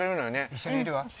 一緒にいるわ。